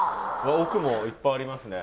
奥もいっぱいありますね。